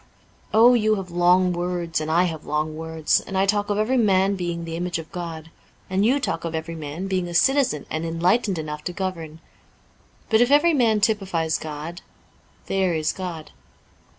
Oh, you have long words and I have long words ; and I talk of every man being the image of God ; and you talk of every man being a citizen and enlightened enough to govern. But, if every man typifies God, there is God.